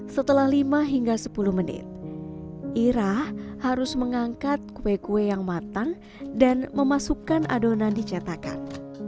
setelah lima hingga sepuluh menit irah harus mengangkat kue kue yang matang dan memasukkan adonan di cetakan